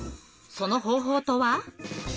その方法とは？